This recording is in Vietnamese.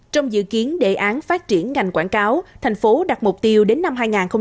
trong dự kiến đề án phát triển ngành quảng cáo thành phố đặt mục tiêu đến năm hai nghìn ba mươi